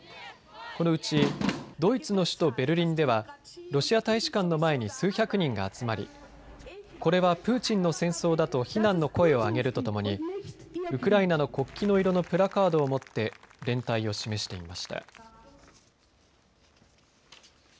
このうちドイツの首都ベルリンではロシア大使館の前に数百人が集まり、これはプーチンの戦争だと非難の声を上げるとともにウクライナの国旗の色のプラカードを持って連帯を示していました。